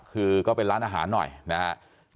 คือก็เป็นร้านอาหารหน่อยนะครับ